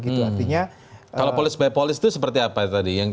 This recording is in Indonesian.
artinya kalau polis by polis itu seperti apa tadi